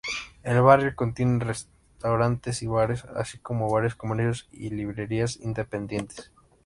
El barrio contiene restaurantes y bares, así como varios comercios y librerías independientes.